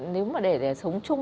nếu mà để để sống chung